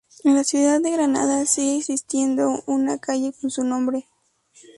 En la ciudad de Granada sigue existiendo una calle con su nombre.